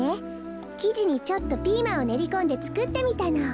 きじにちょっとピーマンをねりこんでつくってみたの。